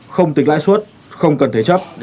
không tính lãi suất không cần thế chấp